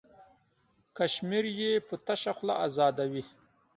کشمیر یې په تشه خوله ازادوي.